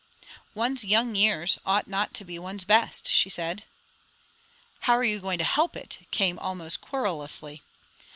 "One's young years ought not to be one's best," she said. "How are you going to help it?" came almost querulously.